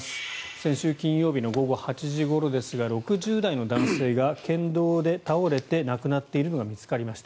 先週金曜日の午後８時ごろですが６０代の男性が県道で倒れて亡くなっているのが見つかりました。